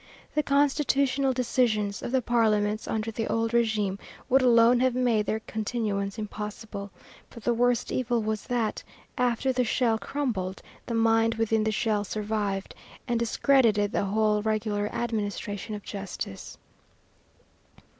The constitutional decisions of the parliaments under the old régime would alone have made their continuance impossible, but the worst evil was that, after the shell crumbled, the mind within the shell survived, and discredited the whole regular administration of justice.